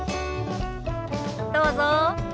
どうぞ。